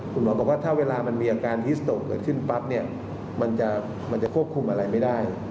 คุณหมอบอกว่าถ้าเวลามันมีอาการฮิสโตเกิดขึ้นปั๊บเนี่ยมันจะควบคุมอะไรไม่ได้